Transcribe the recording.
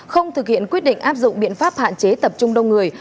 không thực hiện quyết định áp dụng biện pháp hạn chế tập trung đông người